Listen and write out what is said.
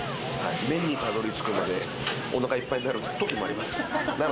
麺にたどり着くまで、お腹いっぱいになるときもあります。